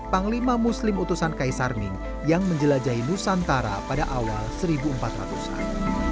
panglima muslim utusan kaisar ming yang menjelajahi nusantara pada awal seribu empat ratus an